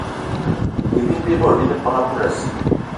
Bivini bi bot bi ne peg a poulassi